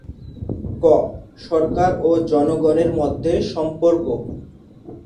ক. সরকার ও জনগণের মধ্যে সম্পর্ক